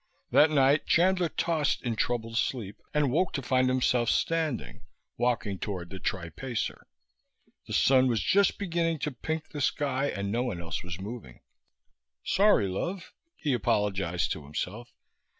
That night Chandler tossed in troubled sleep, and woke to find himself standing, walking toward the Tri Pacer. The sun was just beginning to pink the sky and no one else was moving. "Sorry, love," he apologized to himself.